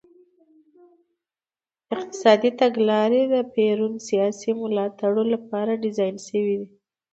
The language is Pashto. اقتصادي تګلارې د پېرون سیاسي ملاتړو لپاره ډیزاین شوې وې.